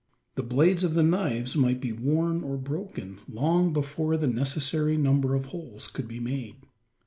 The blades of the knives might be worn or broken, long before the necessary number of holes could be made.